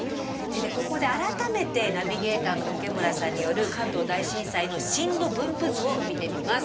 ここで改めてナビゲーターの武村さんによる関東大震災の震度分布図を見てみます。